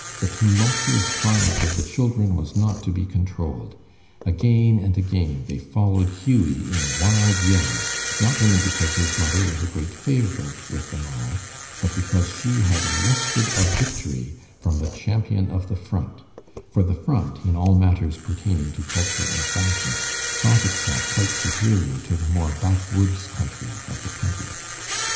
The tumultuous triumph of the children was not to be controlled. Again and again they followed Hughie in wild yells, not only because his mother was a great favorite with them all, but because she had wrested a victory from the champion of the Front, for the Front, in all matters pertaining to culture and fashion, thought itself quite superior to the more backwoods country of the Twentieth.